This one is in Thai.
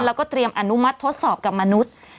แล้วก็เตรียมอนุมัติทดสอบกับมนุษย์